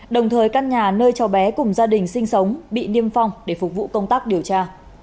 đồng thời căn nhà nơi cho bé cùng gia đình sinh sống bị niêm phong để phục vụ công tác điều tra